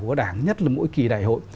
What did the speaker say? của đảng nhất là mỗi kỳ đại hội